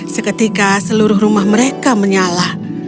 seketika seluruh rumah mereka menyala